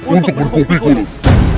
untuk berkumpul di gunung